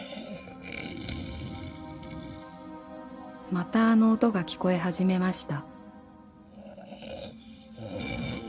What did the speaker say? ［またあの音が聞こえ始めました］